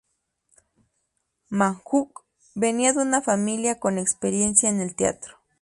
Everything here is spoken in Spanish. McHugh venía de una familia con experiencia en el teatro.